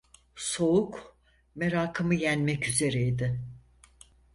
Soğuk, merakımı yenmek üzereydi.